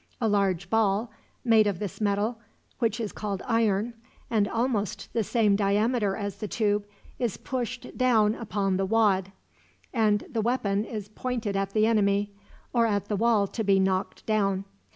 A large ball made of this metal, which is called iron, and almost the same diameter as the tube, is pushed down upon the wad; and the weapon is pointed at the enemy, or at the wall to be knocked down.